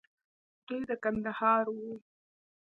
دوى د کندهار وو.